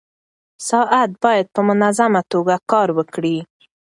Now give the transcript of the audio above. ساعت باید په منظمه توګه کار وکړي.